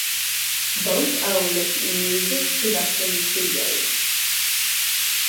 Both own music production studios.